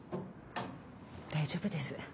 大丈夫です。